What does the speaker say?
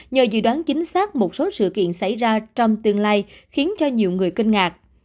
nhờ dự đoán chính xác một số sự kiện xảy ra trong tương lai khiến cho nhiều người kinh ngạc